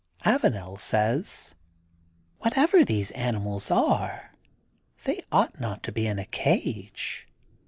Avanel says :Whatever these animals are, they ought not to be in a cage.